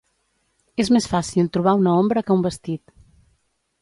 És més fàcil trobar una ombra que un vestit.